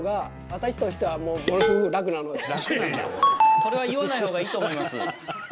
それは言わないほうがいいと思います。